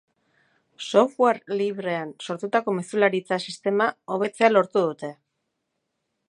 Software librean sortutako mezularitza sistema, hobetzea lortu dute.